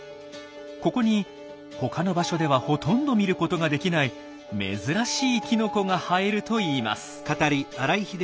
ここにほかの場所ではほとんど見ることができない珍しいきのこが生えるといいます。